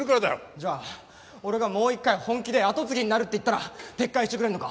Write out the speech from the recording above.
じゃあ俺がもう一回本気で跡継ぎになるって言ったら撤回してくれんのか？